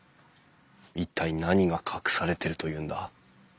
一体何が隠されてるというんだ？